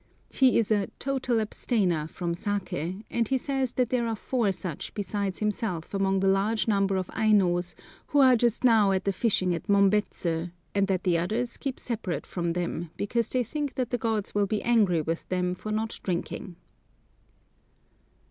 He is a "total abstainer" from saké, and he says that there are four such besides himself among the large number of Ainos who are just now at the fishing at Mombets, and that the others keep separate from them, because they think that the gods will be angry with them for not drinking.